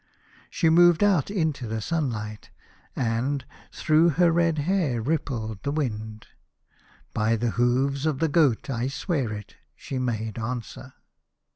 She movedout into the sunlight, and through her red hair rippled the wind. " By the hoofs of the goat I swear it," she made answer.